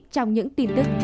trong những tin tức tiếp theo